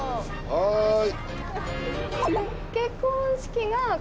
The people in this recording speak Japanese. はい。